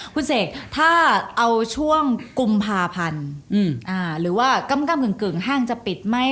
คุณเสกถ้าเอาช่วงกุมภาพันธ์หรือว่ากำกึ่งห้างจะปิดไหม